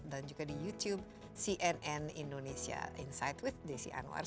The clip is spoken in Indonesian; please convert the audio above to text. dan juga di youtube cnn indonesia insight with desi anwar